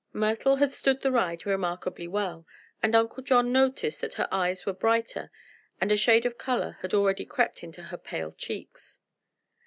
Myrtle had stood the ride remarkably well, and Uncle John noticed that her eyes were brighter and a shade of color had already crept into her pale cheeks.